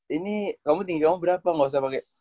ini kamu tinggi kamu berapa gak usah pake